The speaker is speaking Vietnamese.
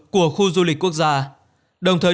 của khu du lịch quốc gia đồng thời